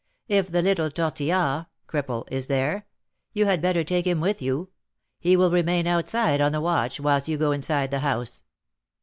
If the little Tortillard (cripple) is there, you had better take him with you; he will remain outside on the watch whilst you go inside the house."